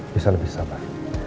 bisa lebih sabar